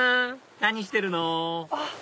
何してるの？